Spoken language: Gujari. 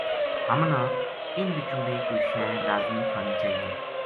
ہمنا اِنھ بچوں بے کوئی شے لازمی کھانی چاہیئے